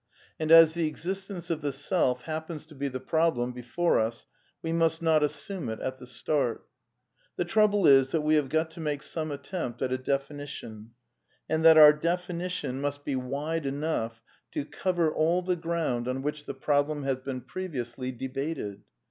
And as the existence of the Self happens to be the problem before us we must not assume it at the start. The trouble is that we have got to make some attempt at a definition, and that our definition must be wide enough to cover all the ground on which the problem has been previously debated.